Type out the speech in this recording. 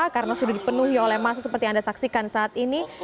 karena sudah dipenuhi oleh massa seperti yang anda saksikan saat ini